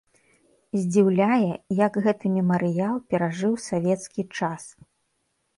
Здзіўляе, як гэты мемарыял перажыў савецкі час.